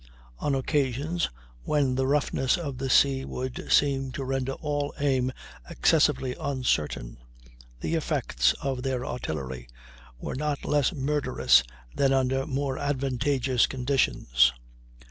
On occasions when the roughness of the sea would seem to render all aim excessively uncertain, the effects of their artillery were not less murderous than under more advantageous conditions.